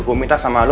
gua minta sama lu